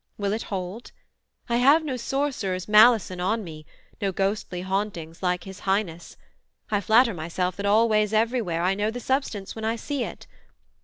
will it hold? I have no sorcerer's malison on me, No ghostly hauntings like his Highness. I Flatter myself that always everywhere I know the substance when I see it.